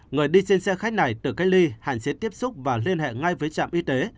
người đi trên xe khách này tự cách ly hạn chế tiếp xúc và liên hệ ngay với trạm y tế